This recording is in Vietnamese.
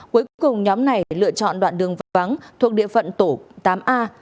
cuối cùng nhóm này lựa chọn đoạn đường vắng thuộc địa phận tổ tám a